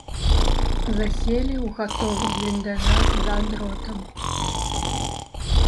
Заселі ў гатовых бліндажах за дротам.